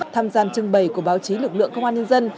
tham gia trưng bày của báo chí lực lượng công an nhân dân